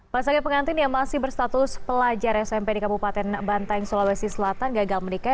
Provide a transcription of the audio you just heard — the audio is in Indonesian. pasangan pengantin yang masih berstatus pelajar smp di kabupaten bantaing sulawesi selatan gagal menikah